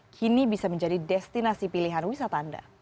kini bisa menjadi destinasi pilihan wisatanda